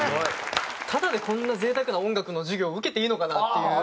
タダでこんな贅沢な音楽の授業を受けていいのかなっていう。